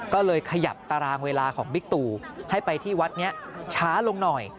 ก็เลยขยับตารางเวลาของบิ๊กตู่ให้ไปที่วัดนี้ช้าลงหน่อย